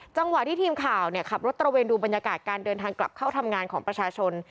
จังหวะที่ทีมข่าวขับรถตระเวนดูบรรยากาศการเดินทางกลับเข้าทำงานของประชาชน